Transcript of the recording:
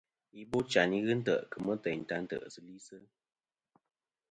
Ibochayn i ghɨ ntè' kemɨ teyn ta tɨsilisɨ.